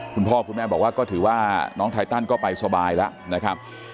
คุณพ่อคุณแม่บอกว่าก็ถือว่าน้องไทตันก็ไปสบายแล้วนะครับ